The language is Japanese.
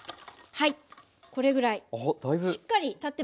はい。